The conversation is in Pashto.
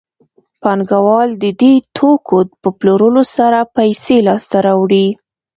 پانګوال د دې توکو په پلورلو سره پیسې لاسته راوړي